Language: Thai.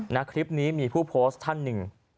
นะคลิปนี้มีผู้โพสต์ท่านหนึ่ง